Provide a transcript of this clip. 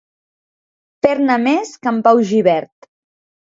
Fer-ne més que en Pau Gibert.